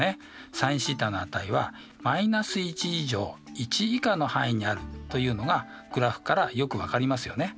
ｓｉｎθの値は−１以上１以下の範囲にあるというのがグラフからよく分かりますよね。